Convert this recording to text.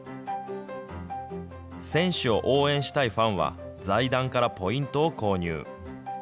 選手を応援したいファンは、財団からポイントを購入。